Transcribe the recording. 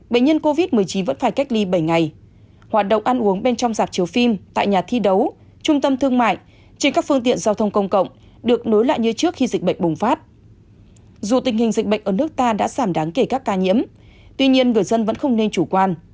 bệnh ở nước ta đã giảm đáng kể các ca nhiễm tuy nhiên người dân vẫn không nên chủ quan